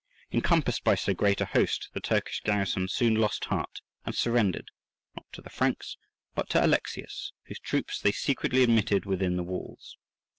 Encompassed by so great a host the Turkish garrison soon lost heart and surrendered, not to the Franks, but to Alexius, whose troops they secretly admitted within the walls.